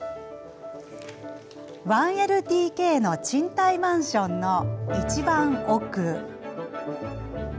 １ＬＤＫの賃貸マンションのいちばん奥。